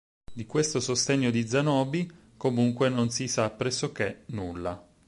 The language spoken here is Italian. Di questo Sostegno di Zanobi comunque non si sa pressoché nulla.